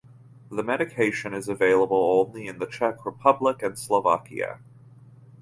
The medication is available only in the Czech Republic and Slovakia.